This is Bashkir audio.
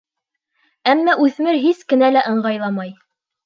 Әммә үҫмер һис кенә лә ыңғайламай.